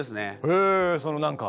へえその何か。